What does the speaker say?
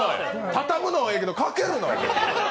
たたむのはええけどかけるな！